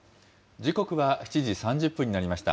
時刻は７時３０分になりました。